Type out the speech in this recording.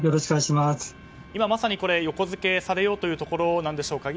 今まさに横付けされようというところでしょうか。